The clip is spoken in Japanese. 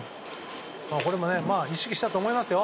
これも意識したと思いますよ。